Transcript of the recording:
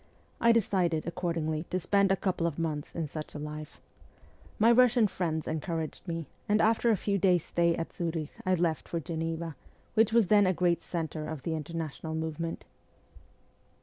I decided, accordingly, to spend a couple of months in such a life. My Russian friends encouraged me, and after a few days' stay at Zurich I left for Geneva, which was then a great centre of the international movement.